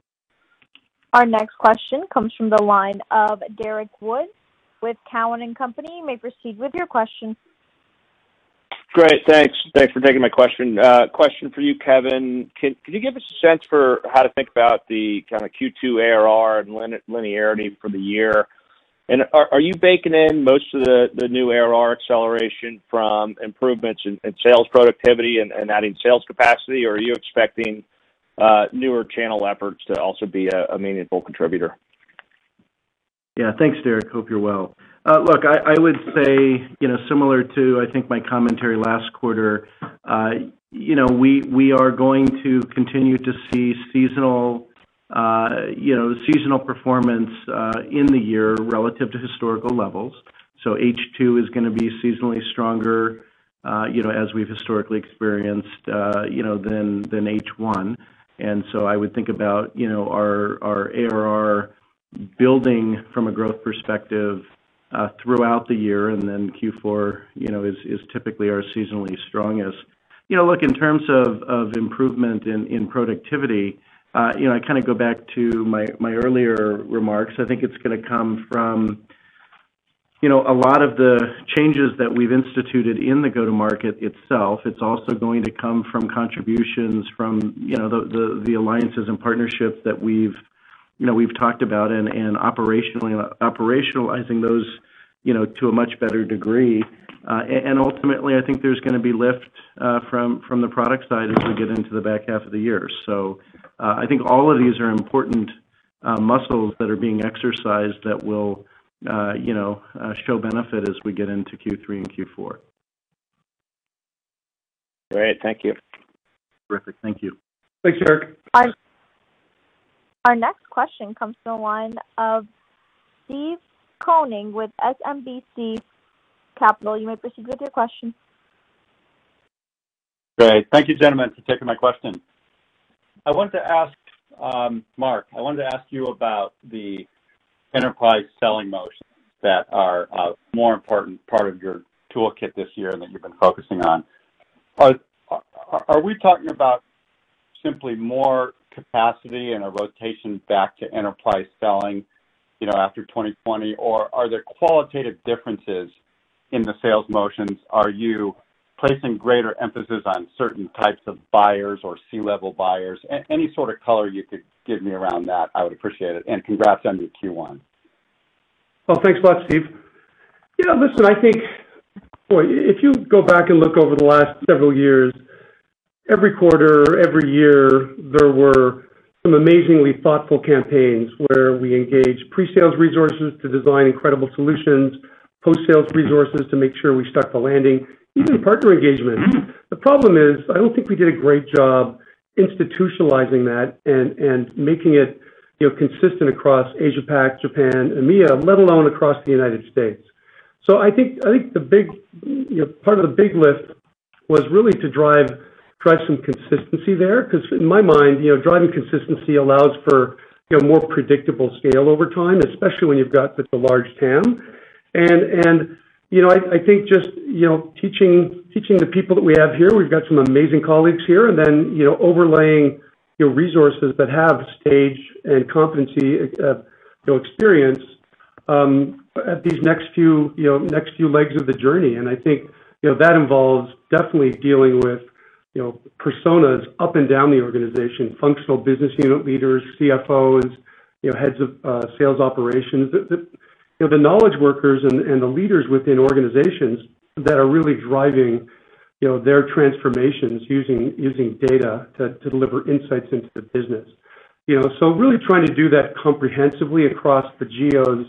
Our next question comes from the line of Derrick Wood with Cowen and Company. You may proceed with your question. Great. Thanks. Thanks for taking my question. Question for you, Kevin. Can you give us a sense for how to think about the kind of Q2 ARR and linearity for the year? Are you baking in most of the new ARR acceleration from improvements in sales productivity and adding sales capacity, or are you expecting newer channel efforts to also be a meaningful contributor? Yeah. Thanks, Derrick. Hope you're well. Look, I would say, similar to, I think, my commentary last quarter, we are going to continue to see seasonal performance in the year relative to historical levels. H2 is going to be seasonally stronger, as we've historically experienced, than H1. I would think about our ARR Building from a growth perspective throughout the year, Q4 is typically our seasonally strongest. Look, in terms of improvement in productivity, I go back to my earlier remarks. I think it's going to come from a lot of the changes that we've instituted in the go-to-market itself. It's also going to come from contributions from the alliances and partnerships that we've talked about and operationalizing those to a much better degree. Ultimately, I think there's going to be lift from the product side as we get into the back half of the year. I think all of these are important muscles that are being exercised that will show benefit as we get into Q3 and Q4. Great. Thank you. Terrific. Thank you. Thanks, Derrick. Our next question comes from the line of Steve Koenig with SMBC Capital. You may proceed with your question. Great. Thank you, gentlemen, for taking my question. Mark, I wanted to ask you about the enterprise selling motions that are a more important part of your toolkit this year and that you've been focusing on. Are we talking about simply more capacity and a rotation back to enterprise selling after 2020, or are there qualitative differences in the sales motions? Are you placing greater emphasis on certain types of buyers or C-level buyers? Any sort of color you could give me around that, I would appreciate it. Congrats on your Q1. Well, thanks a lot, Steve. Listen, I think, boy, if you go back and look over the last several years, every quarter, every year, there were some amazingly thoughtful campaigns where we engaged pre-sales resources to design incredible solutions, post-sales resources to make sure we stuck the landing, even partner engagement. The problem is, I don't think we did a great job institutionalizing that and making it consistent across Asia-Pac, Japan, EMEA, let alone across the United States. I think part of the big lift was really to drive some consistency there, because in my mind, driving consistency allows for more predictable scale over time, especially when you've got such a large TAM. I think just teaching the people that we have here, we've got some amazing colleagues here and then overlaying resources that have stage and competency experience at these next few legs of the journey. I think that involves definitely dealing with personas up and down the organization, functional business unit leaders, CFOs, heads of sales operations. The knowledge workers and the leaders within organizations that are really driving their transformations using data to deliver insights into the business. Really trying to do that comprehensively across the geos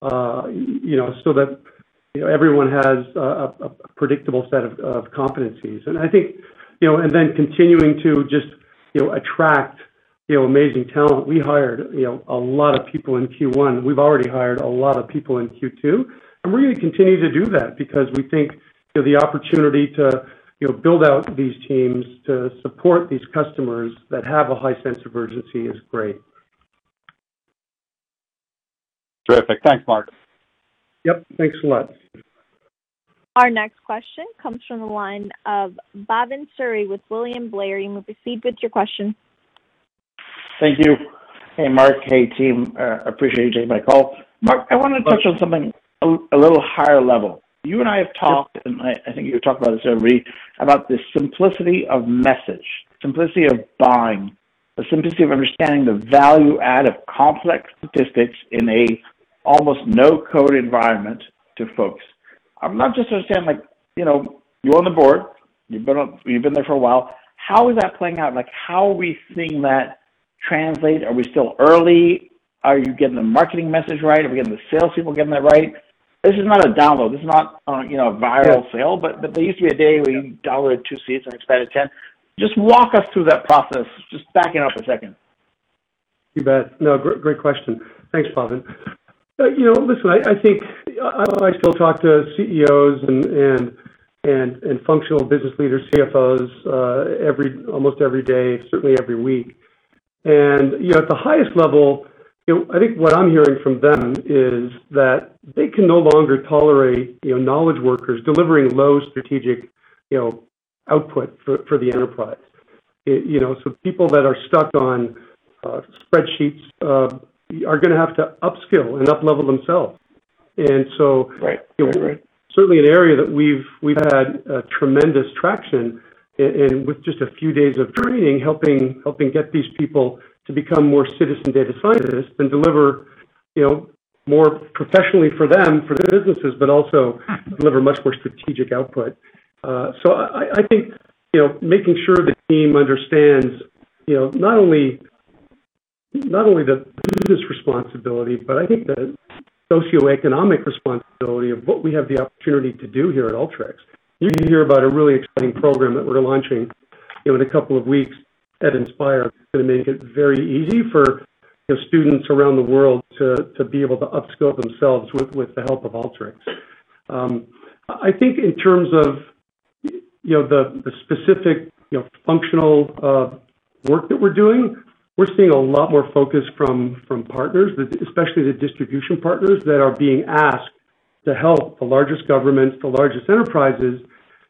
so that everyone has a predictable set of competencies. Then continuing to just attract amazing talent. We hired a lot of people in Q1. We've already hired a lot of people in Q2, and we're going to continue to do that because we think the opportunity to build out these teams to support these customers that have a high sense of urgency is great. Terrific. Thanks, Mark. Yep. Thanks a lot. Our next question comes from the line of Bhavan Suri with William Blair. You may proceed with your question. Thank you. Hey, Mark. Hey, team. Appreciate you taking my call. Mark, I want to touch on something a little higher level. I think you were talking about this earlier, about the simplicity of message, simplicity of buying, the simplicity of understanding the value add of complex statistics in a almost no-code environment to folks. I'm not just understanding, you're on the board, you've been there for a while. How is that playing out? How are we seeing that translate? Are we still early? Are you getting the marketing message right? Are the salespeople getting that right? This is not a download. This is not a viral sale. There used to be a day where expanded 10. Just walk us through that process, just backing up a second. You bet. No, great question. Thanks, Bhavan. Listen, I still talk to CEOs and functional business leaders, CFOs, almost every day, certainly every week. At the highest level, I think what I'm hearing from them is that they can no longer tolerate knowledge workers delivering low strategic output for the enterprise. People that are stuck on spreadsheets are going to have to upskill and uplevel themselves. Right Certainly an area that we've had tremendous traction in with just a few days of training, helping get these people to become more citizen data scientists and deliver more professionally for them, for their businesses, but also deliver much more strategic output. I think making sure the team understands not only the business responsibility, but I think the socioeconomic responsibility of what we have the opportunity to do here at Alteryx. You're going to hear about a really exciting program that we're launching in a couple of weeks at Inspire. It's going to make it very easy for students around the world to be able to upskill themselves with the help of Alteryx. I think in terms of the specific functional work that we're doing, we're seeing a lot more focus from partners, especially the distribution partners that are being asked to help the largest governments, the largest enterprises,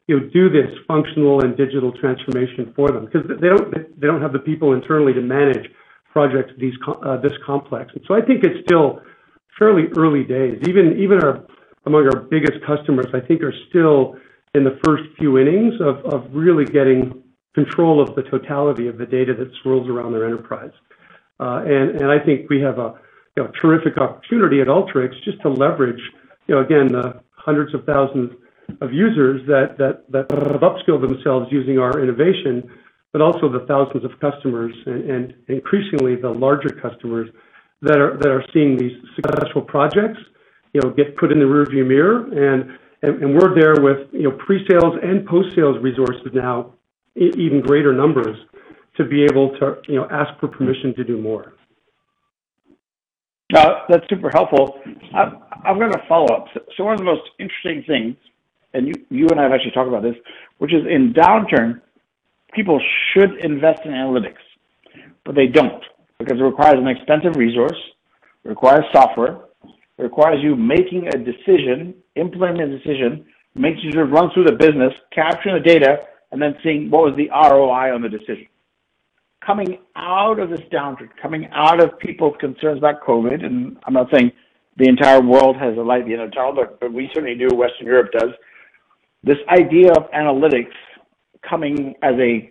do this functional and digital transformation for them, because they don't have the people internally to manage projects this complex. I think it's still fairly early days. Even among our biggest customers, I think are still in the first few innings of really getting control of the totality of the data that swirls around their enterprise. I think we have a terrific opportunity at Alteryx just to leverage, again, the hundreds of thousands of users that have upskilled themselves using our innovation, but also the thousands of customers, and increasingly the larger customers that are seeing these successful projects get put in the rear-view mirror. We're there with pre-sales and post-sales resources now in even greater numbers to be able to ask for permission to do more. That's super helpful. I've got a follow-up. One of the most interesting things, and you and I have actually talked about this, which is in downturn, people should invest in analytics, but they don't, because it requires an expensive resource, requires software, it requires you making a decision, implementing a decision, makes you sort of run through the business, capturing the data, and then seeing what was the ROI on the decision. Coming out of this downturn, coming out of people's concerns about COVID, and I'm not saying the entire world has, but we certainly do, Western Europe does, this idea of analytics coming as a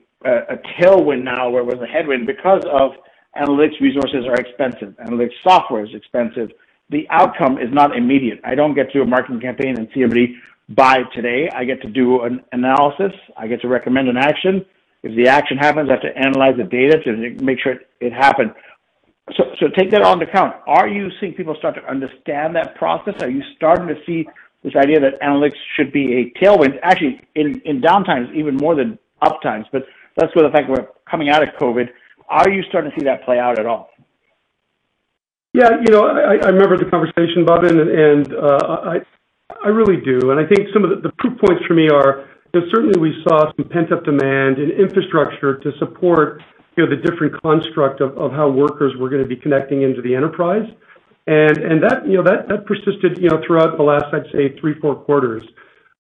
tailwind now where it was a headwind because of analytics resources are expensive, analytics software is expensive. The outcome is not immediate. I don't get to do a marketing campaign and see everybody buy today. I get to do an analysis. I get to recommend an action. If the action happens, I have to analyze the data to make sure it happened. Take that all into account. Are you seeing people start to understand that process? Are you starting to see this idea that analytics should be a tailwind, actually in downtimes, even more than uptimes, but that's with the fact we're coming out of COVID. Are you starting to see that play out at all? I remember the conversation, Bhavan, and I really do. I think some of the proof points for me are, certainly we saw some pent-up demand and infrastructure to support the different construct of how workers were going to be connecting into the enterprise. That persisted throughout the last, I'd say, three, four quarters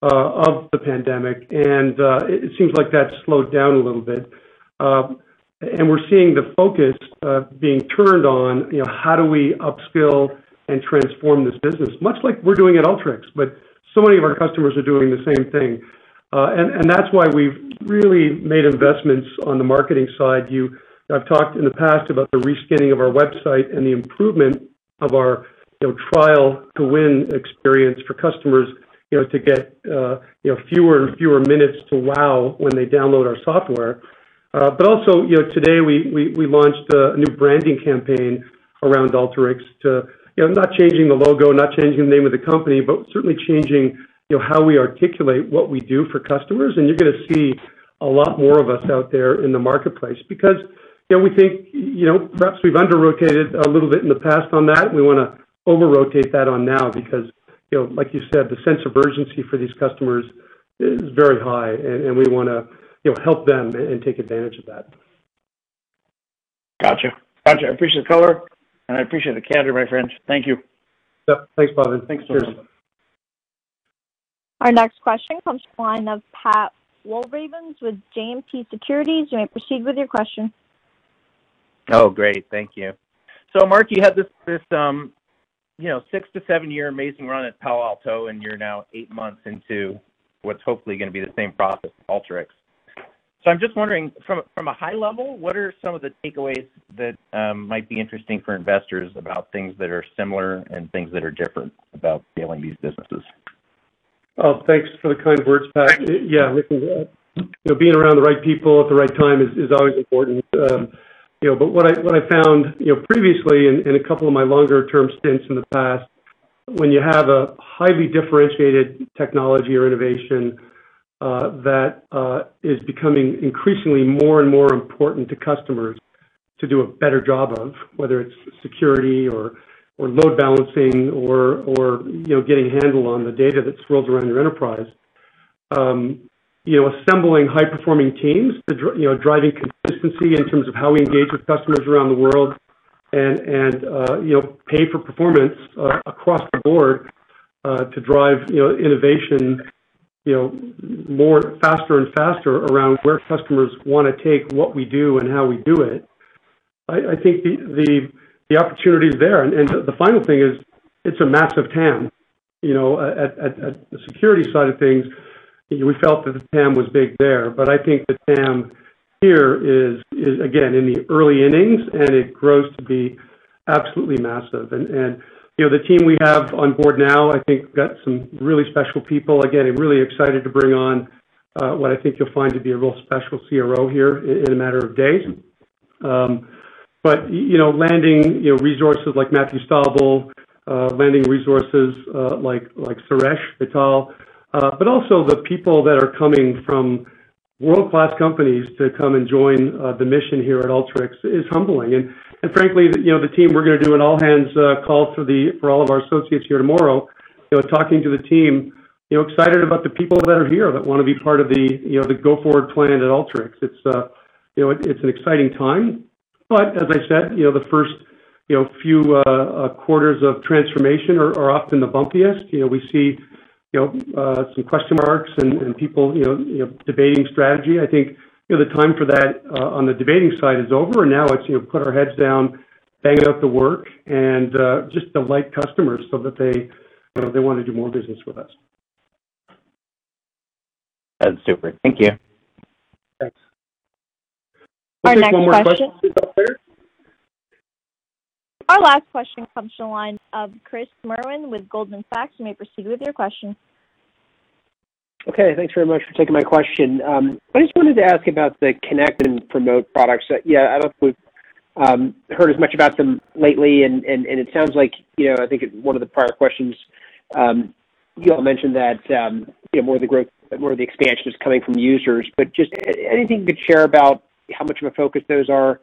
of the pandemic, and it seems like that's slowed down a little bit. We're seeing the focus being turned on, how do we upskill and transform this business? Much like we're doing at Alteryx, but so many of our customers are doing the same thing. That's why we've really made investments on the marketing side. I've talked in the past about the reskinning of our website and the improvement of our trial to win experience for customers to get fewer and fewer minutes to wow when they download our software. Also, today we launched a new branding campaign around Alteryx to, not changing the logo, not changing the name of the company, but certainly changing how we articulate what we do for customers. You're going to see a lot more of us out there in the marketplace because we think perhaps we've under-rotated a little bit in the past on that, and we want to over-rotate that on now because, like you said, the sense of urgency for these customers is very high, and we want to help them and take advantage of that. Got you. I appreciate the color, and I appreciate the candor, my friend. Thank you. Yeah. Thanks, Bhavan. Thanks so much. Our next question comes from the line of Pat Walravens with Citizens JMP. You may proceed with your question. Oh, great. Thank you. Mark, you had this six-to-seven-year amazing run at Palo Alto, you're now eight months into what's hopefully going to be the same process with Alteryx. I'm just wondering from a high level, what are some of the takeaways that might be interesting for investors about things that are similar and things that are different about scaling these businesses? Oh, thanks for the kind words, Pat. Yeah, listen, being around the right people at the right time is always important. What I found previously in a couple of my longer-term stints in the past, when you have a highly differentiated technology or innovation, that is becoming increasingly more and more important to customers to do a better job of, whether it's security or load balancing or getting a handle on the data that swirls around your enterprise. Assembling high-performing teams, driving consistency in terms of how we engage with customers around the world and pay for performance across the board, to drive innovation faster and faster around where customers want to take what we do and how we do it. I think the opportunity is there. The final thing is, it's a massive TAM. At the security side of things, we felt that the TAM was big there. I think the TAM here is, again, in the early innings, and it grows to be absolutely massive. The team we have on board now, I think we've got some really special people. Again, I'm really excited to bring on what I think you'll find to be a real special CRO here in a matter of days. Landing resources like Matthew Stauble, landing resources like Suresh Vittal, also the people that are coming from World-class companies to come and join the mission here at Alteryx is humbling. Frankly, the team, we're going to do an all-hands call for all of our associates here tomorrow, talking to the team, excited about the people that are here that want to be part of the go-forward plan at Alteryx. It's an exciting time. As I said, the first few quarters of transformation are often the bumpiest. We see some question marks and people debating strategy. I think the time for that on the debating side is over, and now it's put our heads down, bang out the work, and just delight customers so that they want to do more business with us. That's super. Thank you. Thanks. Our next question. I'll take one more question, if out there. Our last question comes from the line of Chris Merwin with Goldman Sachs. You may proceed with your question. Okay. Thanks very much for taking my question. I just wanted to ask about the Connect and Promote products that I don't think we've heard as much about them lately. It sounds like, I think one of the prior questions, you all mentioned that more of the growth, more of the expansion is coming from users. Just anything you could share about how much of a focus those are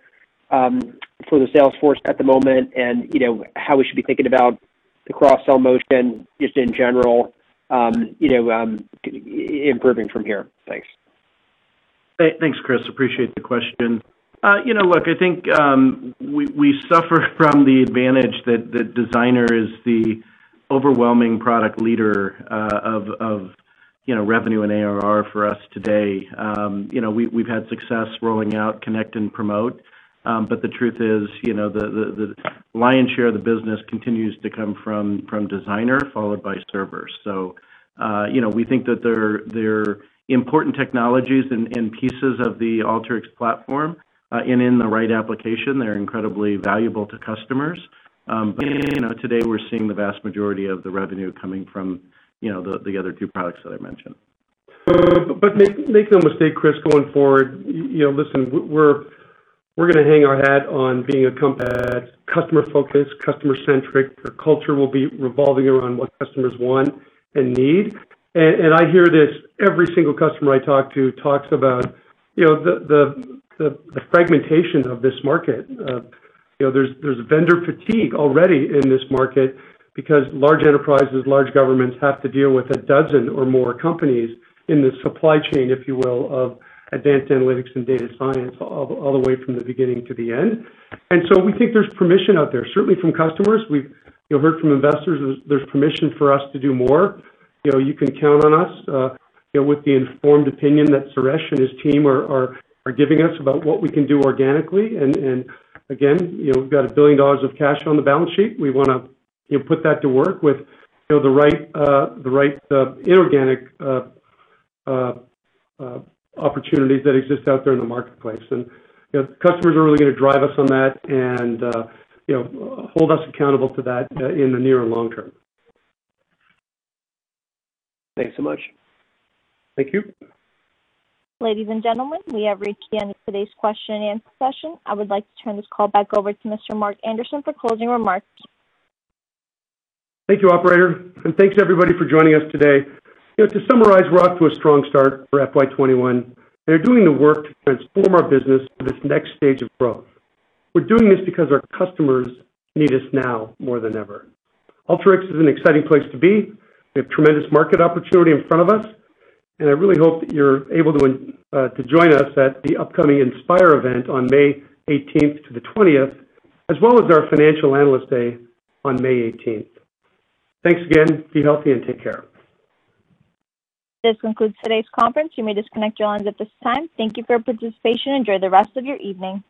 for the sales force at the moment and how we should be thinking about the cross-sell motion, just in general, improving from here. Thanks. Thanks, Chris. Appreciate the question. Look, I think we suffer from the advantage that Designer is the overwhelming product leader of revenue and ARR for us today. We've had success rolling out Connect and Promote. The truth is, the lion's share of the business continues to come from Designer, followed by Server. We think that they're important technologies and pieces of the Alteryx platform. In the right application, they're incredibly valuable to customers. Today, we're seeing the vast majority of the revenue coming from the other two products that I mentioned. Make no mistake, Chris, going forward, listen, we're going to hang our hat on being a company that's customer-focused, customer-centric. Our culture will be revolving around what customers want and need. I hear this, every single customer I talk to talks about the fragmentation of this market. There's vendor fatigue already in this market because large enterprises, large governments have to deal with 12 or more companies in the supply chain, if you will, of advanced analytics and data science, all the way from the beginning to the end. We think there's permission out there, certainly from customers. We've heard from investors, there's permission for us to do more. You can count on us with the informed opinion that Suresh and his team are giving us about what we can do organically. Again, we've got $1 billion of cash on the balance sheet. We want to put that to work with the right inorganic opportunities that exist out there in the marketplace. Customers are really going to drive us on that and hold us accountable to that in the near and long term. Thanks so much. Thank you. Ladies and gentlemen, we have reached the end of today's question-and-answer session. I would like to turn this call back over to Mr. Mark Anderson for closing remarks. Thank you, operator, and thanks everybody for joining us today. To summarize, we're off to a strong start for FY 2021, and are doing the work to transform our business for this next stage of growth. We're doing this because our customers need us now more than ever. Alteryx is an exciting place to be. We have tremendous market opportunity in front of us, and I really hope that you're able to join us at the upcoming Inspire event on May 18th to the 20th, as well as our Financial Analyst Day on May 18th. Thanks again. Be healthy and take care. This concludes today's conference. You may disconnect your lines at this time. Thank you for your participation. Enjoy the rest of your evening.